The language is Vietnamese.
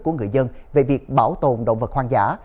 của người dân về việc bảo tồn động vật hoang dã